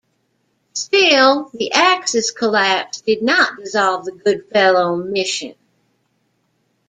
Still, the Axis collapse did not dissolve the Goodfellow mission.